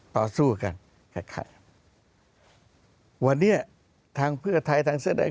ต่อสู้กันกับใครวันนี้ทางเพื่อไทยทางเสื้อแดง